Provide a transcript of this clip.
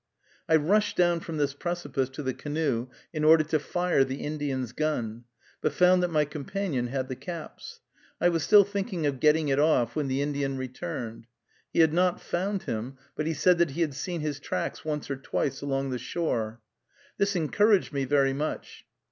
I rushed down from this precipice to the canoe in order to fire the Indian's gun, but found that my companion had the caps. I was still thinking of getting it off when the Indian returned. He had not found him, but he said that he had seen his tracks once or twice along the shore. This encouraged me very much.